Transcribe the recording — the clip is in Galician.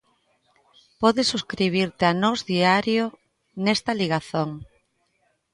Podes subscribirte a Nós Diario nesta ligazón.